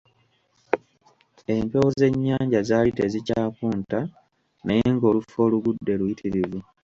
Empewo z'ennyanja zaali tezikyakunta; naye ng'olufu olugudde luyitirivu.